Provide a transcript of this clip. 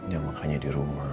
ya makanya dirumah